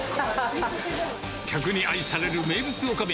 客に愛される名物おかみ。